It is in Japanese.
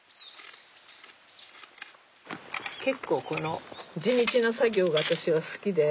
結構この地道な作業が私は好きで。